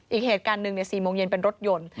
อีกเหตุการณ์หนึ่ง๔โมงเย็นเป็นรถยนต์